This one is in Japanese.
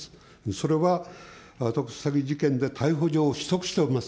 それは特殊詐欺事件で逮捕状を取得しております。